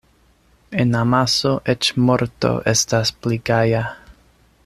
En amaso eĉ morto estas pli gaja.